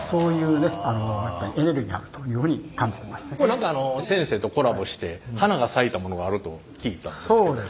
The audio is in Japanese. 何か先生とコラボして花が咲いたものがあると聞いたんですけど。